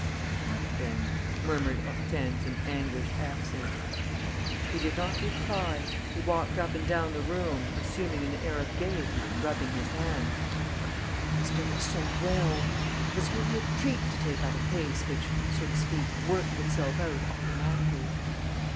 "What then?" murmured Hortense, in anguished accents. He did not reply. He walked up and down the room, assuming an air of gaiety and rubbing his hands. All was going so well! It was really a treat to take up a case which, so to speak, worked itself out automatically.